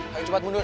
kalian cepat mundur